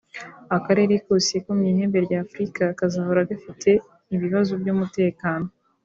akarere kose ko mu ihembe rya Afurika kazahora gafite ibibazo by’umutekano